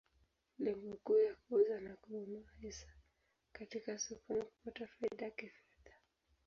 Lengo kuu ya kuuza na kununua hisa katika soko ni kupata faida kifedha.